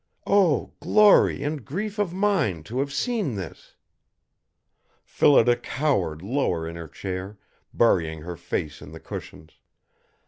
Oh, glory and grief of mine to have seen this!" Phillida cowered lower in her chair, burying her face in the cushions.